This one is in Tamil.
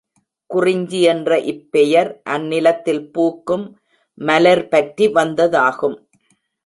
குறிஞ்சி என்ற இப்பெயர் அந்நிலத்தில் பூக்கும் மலர்பற்றி வந்ததாகும்.